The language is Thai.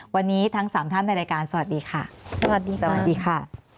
วันนี้ทั้ง๓ท่านในรายการสวัสดีค่ะสวัสดีค่ะ